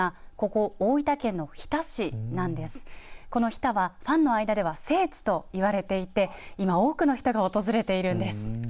この日田は、ファンの間では聖地と言われていて今多くの人が訪れているんです。